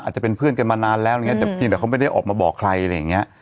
อาจจะเป็นเพื่อนกันมานานแล้วอะไรอย่างนี้แต่เพียงแต่เขาไม่ได้ออกมาบอกใครอะไรอย่างเงี้ย